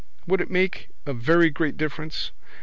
Would it make a very great difference?